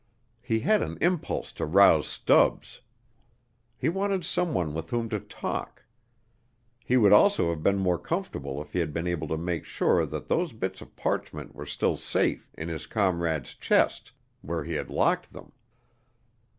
He had an impulse to rouse Stubbs. He wanted someone with whom to talk. He would also have been more comfortable if he had been able to make sure that those bits of parchment were still safe in his comrade's chest, where he had locked them.